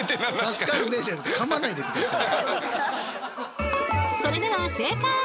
「助かるね」じゃなくて噛まないでください。